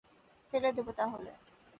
ফেলে দেব, তাহলে!